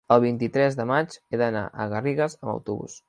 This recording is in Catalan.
el vint-i-tres de maig he d'anar a Garrigàs amb autobús.